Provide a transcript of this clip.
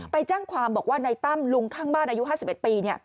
ไปแจ้งความบอกว่าในตั้มลุงข้างบ้านอายุ๕๑ปี